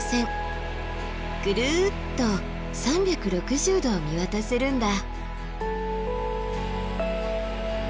ぐるっと３６０度見渡せるんだ。